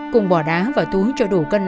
cùng bỏ đá vào túi cho đủ cân nặng